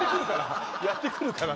やってくるから。